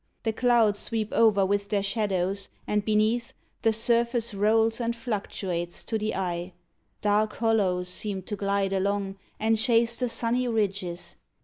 The clouds Sweep over with their shadows, and, beneath, The surface rolls and fluctuates to the eye; Dark hollows seem to glide along and chase The sunny ridges.